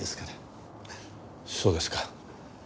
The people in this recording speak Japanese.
そうですか。